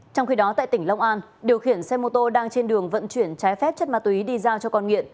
trong khi đó tại tỉnh long an điều khiển xe mô tô đang trên đường vận chuyển trái phép chất ma túy đi giao cho con nghiện